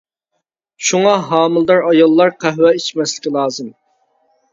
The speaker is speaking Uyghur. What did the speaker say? شۇڭا ھامىلىدار ئاياللار قەھۋە ئىچمەسلىكى لازىم.